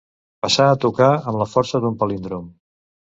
Passar a tocar, amb la força d'un palíndrom.